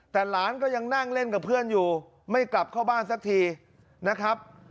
แต่หลานก็ยังนั่งเล่นกับเพื่อนอยู่ไม่กลับเข้าบ้านสักทีนะครับ